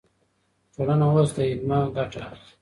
ټولنه اوس له علمه ګټه اخلي.